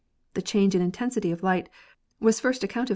The change in intensity of light was first accounted for by Prof. E.